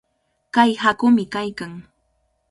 Kay haakumi kaykan.